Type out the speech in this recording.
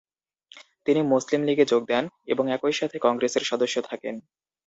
তিনি মুসলিম লীগে যোগ দেন এবং একই সাথে কংগ্রেসের সদস্য থাকেন।